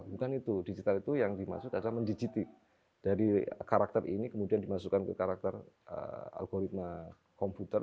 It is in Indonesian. bukan itu digital itu yang dimaksud adalah mendigitik dari karakter ini kemudian dimasukkan ke karakter algoritma komputer